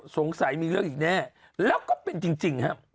สงสัยมีเรื่องอีกแน่แล้วก็เป็นจริงครับ